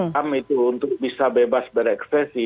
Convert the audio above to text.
ham itu untuk bisa bebas berekspresi